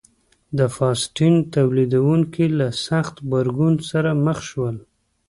د فاسټین تولیدوونکو له سخت غبرګون سره مخ شول.